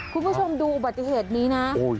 คุณผู้ชมดูอุบัติเหตุนี้นะ